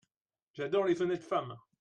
J’adore les honnêtes femmes !…